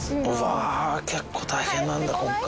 結構大変なんだ、今回。